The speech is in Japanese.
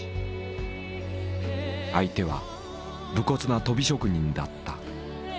相手は武骨な鳶職人だった。